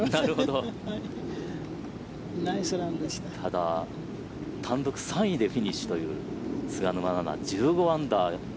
ただ、単独３位でフィニッシュという菅沼菜々１５アンダー。